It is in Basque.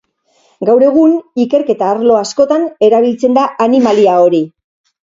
Gaur egun, ikerketa-arlo askotan erabiltzen da animalia hori.